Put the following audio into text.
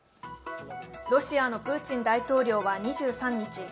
ロシアのプーチン大統領は２３日